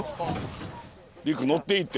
陸乗っていいって。